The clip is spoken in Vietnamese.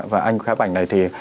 và anh khá bảnh này thì